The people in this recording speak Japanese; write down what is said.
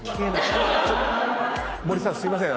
森さんすいません。